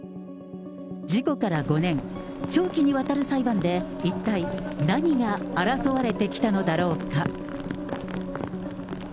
事故から５年、長期にわたる裁判で一体、何が争われてきたのだろうか。